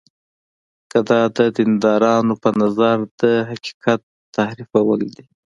که دا د دیندارانو په نظر د حقیقت تحریفول دي.